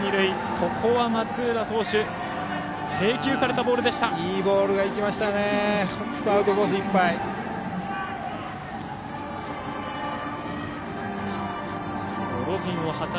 ここは、松浦投手制球されたボールでした。